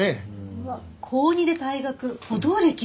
うわ高２で退学補導歴もある。